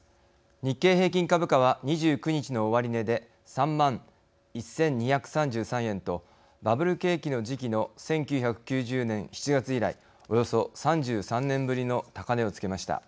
日経平均株価は、２９日の終値で３万１２３３円とバブル景気の時期の１９９０年７月以来およそ３３年ぶりの高値を付けました。